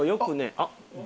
あっ。